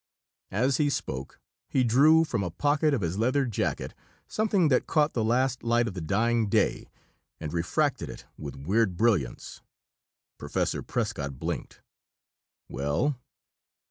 As he spoke, he drew from a pocket of his leather jacket something that caught the last light of the dying day and refracted it with weird brilliance. Professor Prescott blinked. "Well?"